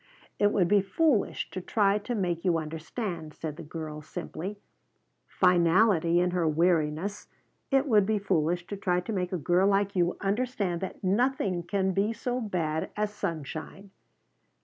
"It would be foolish to try to make you understand," said the girl simply, finality in her weariness. "It would be foolish to try to make a girl like you understand that nothing can be so bad as sunshine."